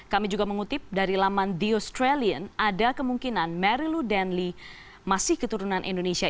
kami juga mengutip dari laman the australian ada kemungkinan marilu denli masih keturunan indonesia